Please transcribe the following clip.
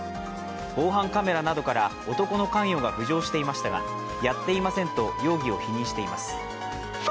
防犯カメラなどから男の関与が浮上していましたがやっていませんと容疑を否認しています。